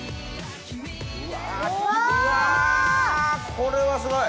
これはすごい！